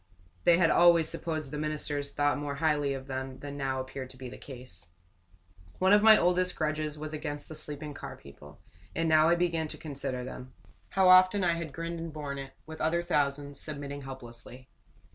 They had always supposed the ministers thought more highly of them than now appeared to be the case. One of my oldest grudges was against the sleeping car people; and now I began to consider them. How often I had grinned and borne it with other thousands submitting helplessly.